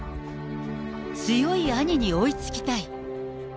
強い兄に追いつきたい。